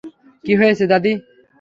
কি হয়েছে, দাদী?